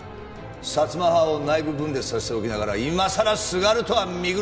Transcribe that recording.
薩摩派を内部分裂させておきながら今さらすがるとは見苦しい。